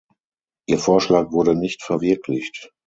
Ihr Vorschlag wurde nicht verwirklicht.